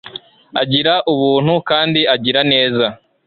agira ubuntu kandi agira neza